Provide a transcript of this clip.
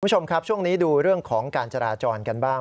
คุณผู้ชมครับช่วงนี้ดูเรื่องของการจราจรกันบ้าง